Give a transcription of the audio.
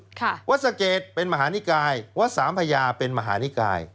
วัดสะเกดเป็นมหานิกายวัดสามพญาเป็นมหานิกาย